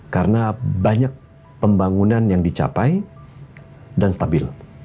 karena banyak pembangunan yang dicapai dan stabil